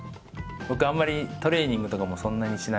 僕あんまりトレーニングとかもそんなにしないので。